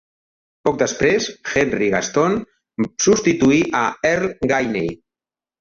Poc després, Henry Gaston substituí a Earl Gainey.